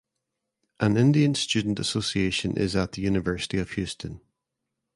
An Indian Student Association is at the University of Houston.